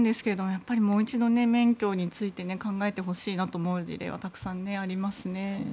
やっぱりもう一度、免許について考えてほしいと思う事例はたくさんありますね。